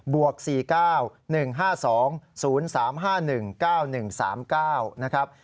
วก๔๙๑๕๒๐๓๕๑๙๑๓๙นะครับ